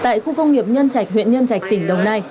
tại khu công nghiệp nhân trạch huyện nhân trạch tỉnh đồng nai